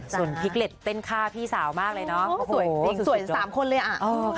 พี่สนธิกเล็ตเต้นฆ่าพี่สาวมากเลยเนอะ